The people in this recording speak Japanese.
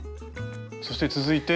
そして続いて。